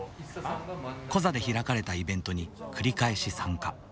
コザで開かれたイベントに繰り返し参加。